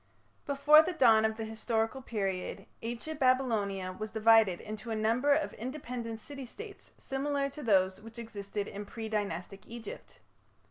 Before the dawn of the historical period Ancient Babylonia was divided into a number of independent city states similar to those which existed in pre Dynastic Egypt.